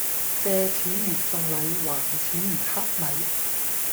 借錢如送禮，還錢如乞米